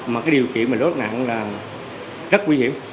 mà điều kiện lốt nạn rất nguy hiểm